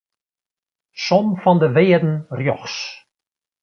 Som fan de wearden rjochts.